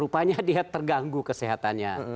saya terganggu kesehatannya